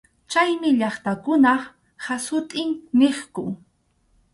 Chaymi llaqtakunap hasut’in niqku.